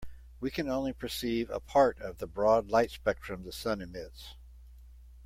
We can only perceive a part of the broad light spectrum the sun emits.